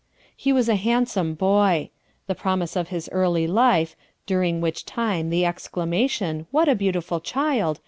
He was a handsome boy. The promise of his early life, — during which time the exclama tion, "What a beautiful child